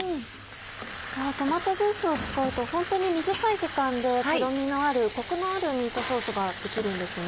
トマトジュースを使うとホントに短い時間でとろみのあるコクのあるミートソースができるんですね。